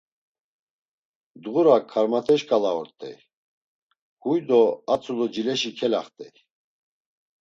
Dğura karmat̆e şǩala ort̆ey; huy do a tzulu cileşi kelaxt̆ey.